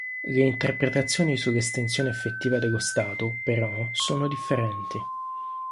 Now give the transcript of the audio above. Le interpretazioni sull'estensione effettiva dello Stato, però, sono differenti.